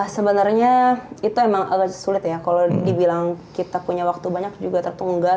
sebenarnya itu emang agak sulit ya kalau dibilang kita punya waktu banyak juga tertunggal